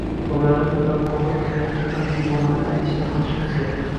Bolalarimiz bilan muloqot qilganimizda qanday iboralarni aytishdan qochishimiz kerak?